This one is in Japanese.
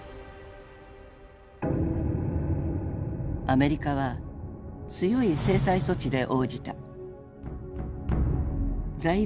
アメリカは強い制裁措置で応じた。